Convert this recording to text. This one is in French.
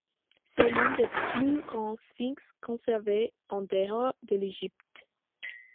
C'est l'un des plus grands sphinx conservés en dehors de l'Égypte.